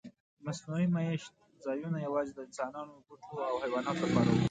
مصنوعي میشت ځایونه یواځې د انسانانو، بوټو او حیواناتو لپاره وو.